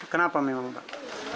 kenapa memang pak